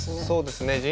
そうですね。